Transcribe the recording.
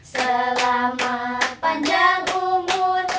selama panjang umur